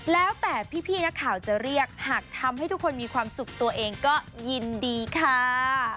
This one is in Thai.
แล้วแต่พี่นักข่าวจะเรียกหากทำให้ทุกคนมีความสุขตัวเองก็ยินดีค่ะ